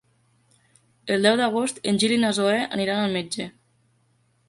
El deu d'agost en Gil i na Zoè aniran al metge.